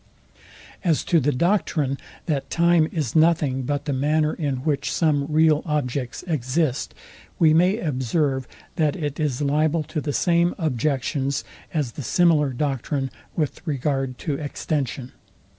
As to the doctrine, that time is nothing but the manner, in which some real objects exist; we may observe, that it is liable to the same objections as the similar doctrine with regard to extension.